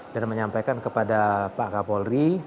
dan menyampaikan kepada pak kapolri